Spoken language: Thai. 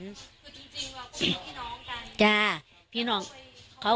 คือจริงว่าก็เป็นพี่น้องกัน